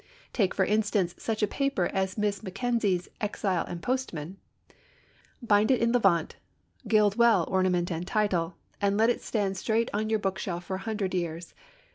Take for instance such a paper as Miss Mackenzie's 'Exile and Postman.' Bind it in levant, gild well ornament and title, and let it stand straight on your bookshelf for an hundred years.